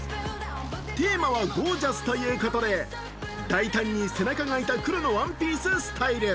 テーマはゴージャスということで、大胆に背中が開いた黒のワンピーススタイル。